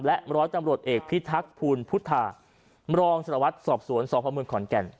และมร้อยจำรวจเอกพิทักษ์ภูณภุตธามรองสลวทสอบสวนสอบภาพเมืองขอนแก่น